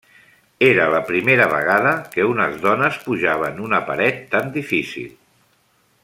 Era la primera vegada que unes dones pujaven una paret tan difícil.